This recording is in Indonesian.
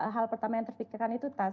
hal pertama yang terpikirkan itu